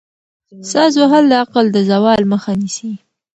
ساز وهل د عقل د زوال مخه نیسي.